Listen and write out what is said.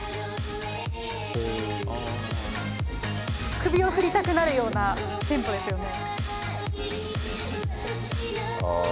首を振りたくなるようなテンポですよね。